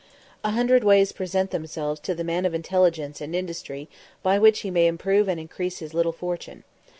A hundred ways present themselves to the man of intelligence and industry by which he may improve and increase his little fortune.